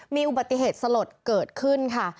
มีอุบัติเหตุสลดเกิดขึ้นค่ะ